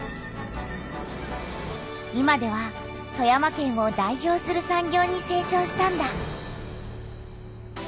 今では富山県を代表する産業にせい長したんだ。